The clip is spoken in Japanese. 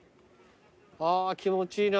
あぁー気持ちいいな。